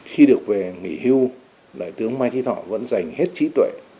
khi được về nghỉ hưu đại tướng mai trí thọ vẫn dành hết trí tuệ